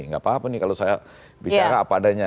nggak apa apa nih kalau saya bicara apa adanya